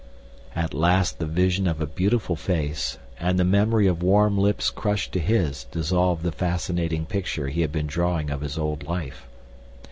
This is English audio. At last the vision of a beautiful face, and the memory of warm lips crushed to his dissolved the fascinating picture he had been drawing of his old life.